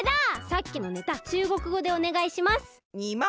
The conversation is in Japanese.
さっきのネタ中国語でおねがいします！